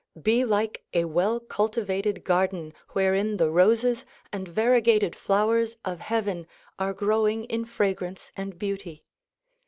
Be like a well culti vated garden wherein the roses and variegated flowers of heaven are growing in fragrance and beauty.